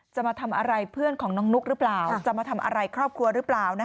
จะมาทำอะไรเพื่อนของน้องนุ๊กหรือเปล่าจะมาทำอะไรครอบครัวหรือเปล่า